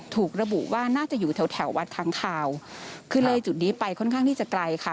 ถูกระบุว่าน่าจะอยู่แถวแถววัดค้างคาวคือเลยจุดนี้ไปค่อนข้างที่จะไกลค่ะ